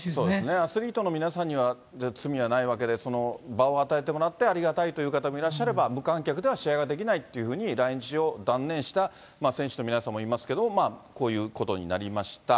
アスリートの皆さんには、罪はないわけで、場を与えてもらってありがたいという方もいらっしゃれば、無観客では試合ができないというふうに、来日を断念した選手の皆さんもいますけど、こういうことになりました。